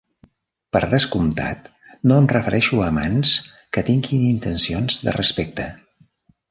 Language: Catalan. Per descomptat, no em refereixo a amants que tinguin intencions de respecte.